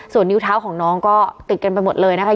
ส่วนนิ้วเท้าของน้องก็ติดกันไปหมดเลยนะคะ